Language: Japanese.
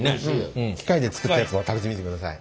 機械で作ったやつも食べてみてください。